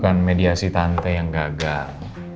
bukan mediasi tante yang gagal